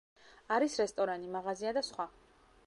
არის რესტორანი, მაღაზია და სხვა.